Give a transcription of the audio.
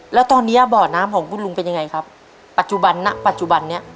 แล้วตอนเนี้ยบ่อน้ำของคุณลุงเป็นยังไงครับปัจจุบันณปัจจุบันนี้